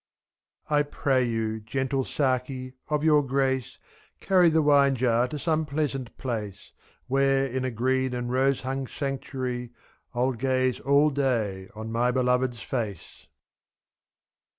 I pray you, gentle Saki, of your grace. Carry the wine jar to some pleasant place, 4^3. Where, in a green and rose hung sanctuary, ril gaze all day on my beloved's face.